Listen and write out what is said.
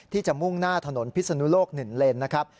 ที่จะมุ่งหน้าถนนพิศนุโลก๑เลนนะครับ